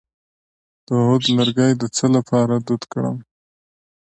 د عود لرګی د څه لپاره دود کړم؟